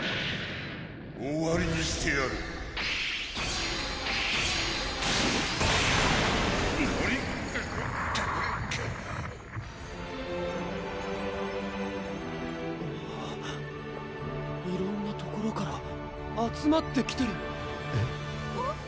終わりにしてやるなに⁉色んな所から集まってきてるえっ？